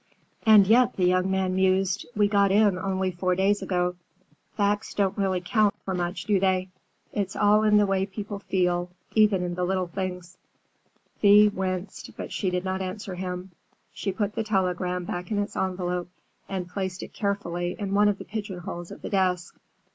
"And yet," the young man mused, "we got in only four days ago. Facts really don't count for much, do they? It's all in the way people feel: even in little things." Thea winced, but she did not answer him. She put the telegram back in its envelope and placed it carefully in one of the pigeonholes of the desk.